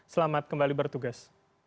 selamat kembali bertugas